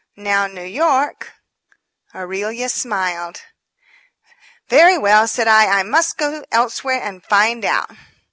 Now, New York " Aurelia smiled. "Very well," said I, "I must go elsewhere and find out."